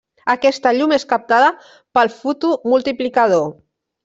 Aquesta llum és captada pel fotomultiplicador.